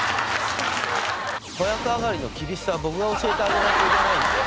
子役上がりの厳しさを僕が教えてあげないといけないんで。